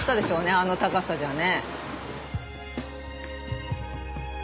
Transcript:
あの高さじゃね。